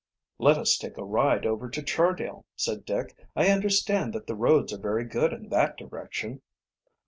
"Let us take a ride over to Chardale," said Dick. "I understand that the roads are very good in that direction."